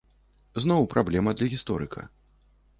Зноў праблема для гісторыка.